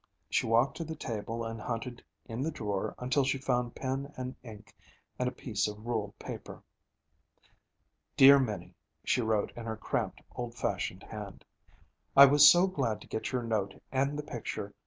She walked to the table and hunted in the drawer until she found pen and ink and a piece of ruled paper. 'Dear Minnie,' she wrote in her cramped, old fashioned hand, 'I was so glad to get your note and the picture.